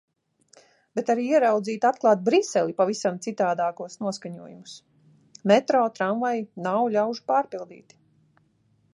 Bet arī ieraudzīt, atklāt Briseli pavisam citādākos noskaņojumus. Metro, tramvaji - nav ļaužu pārpildīti.